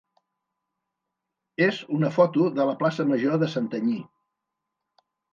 és una foto de la plaça major de Santanyí.